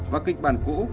và kịch bản cũ